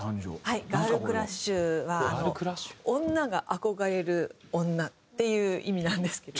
はいガールクラッシュは女が憧れる女っていう意味なんですけど。